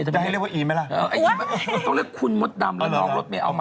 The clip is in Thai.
จะให้เรียกว่าอีมไหมล่ะต้องเลือกคุณพุทธดำน้องรถเมเอามา